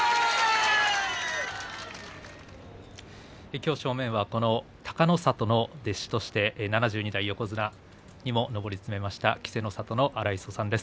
きょう正面はこの隆の里の弟子として７２代横綱にも上り詰めました稀勢の里の荒磯さんです。